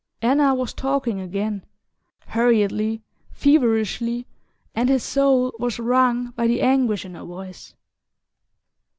Anna was talking again, hurriedly, feverishly, and his soul was wrung by the anguish in her voice.